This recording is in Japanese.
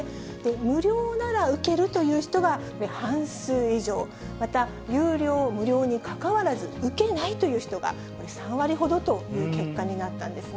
無料なら受けるという人は半数以上、また、有料、無料にかかわらず、受けないという人が３割ほどという結果になったんですね。